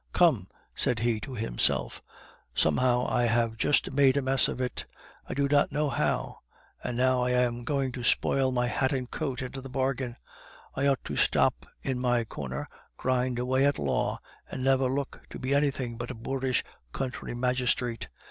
"Come," said he to himself, "somehow I have just made a mess of it, I do not know how. And now I am going to spoil my hat and coat into the bargain. I ought to stop in my corner, grind away at law, and never look to be anything but a boorish country magistrate.